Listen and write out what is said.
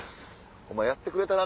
お前やってくれたな！